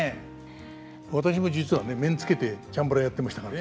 私も実はね面つけてチャンバラやってましたから。